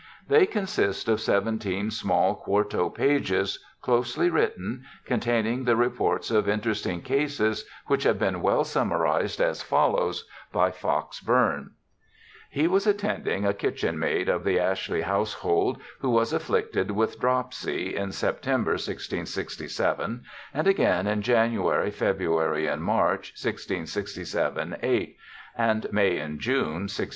They consist of seventeen small quarto pages, closely written, containing the reports of interesting cases which have been well summarized as follows by Fox Bourne :' He was attending a kitchen maid of the Ashley household who was afflicted with dropsy in September, 1667, and again in January, February, and March, 1667 8, and May and June, 1668.